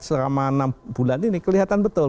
selama enam bulan ini kelihatan betul